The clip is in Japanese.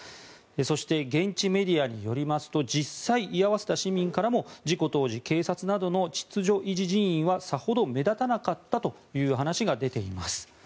そして現地メディアによりますと実際、居合わせた市民からも事故当時警察などの秩序維持人員はさほど目立たなかったという話が出ています。